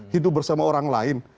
hidup bersama orang lain